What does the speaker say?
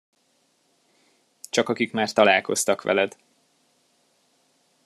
Csak akik már találkoztak veled.